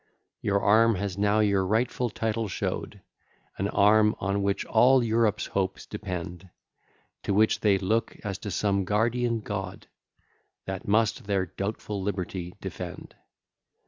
Your arm has now your rightful title show'd, An arm on which all Europe's hopes depend, To which they look as to some guardian God, That must their doubtful liberty defend.